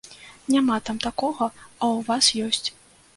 Няма там такога, а ў вас ёсць.